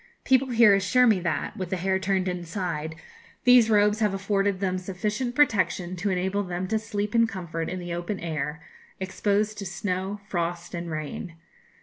People here assure me that, with the hair turned inside, these robes have afforded them sufficient protection to enable them to sleep in comfort in the open air, exposed to snow, frost, and rain.